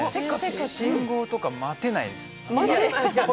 信号とか待てないです。